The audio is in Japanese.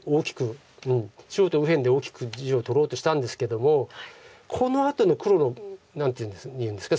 中央と右辺で大きく地を取ろうとしたんですけどもこのあとの黒の何ていうんですか。